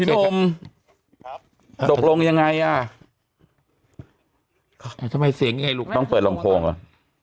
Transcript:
พี่หนุ่มครับตกลงยังไงอ่ะทำไมเสียงเงี้ยลูกต้องเปิดลองโครงอ่ะ